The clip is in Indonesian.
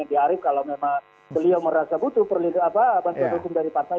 andi arief kalau memang beliau merasa butuh bantuan hukum dari partai